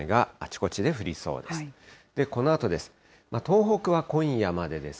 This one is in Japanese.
このあとです。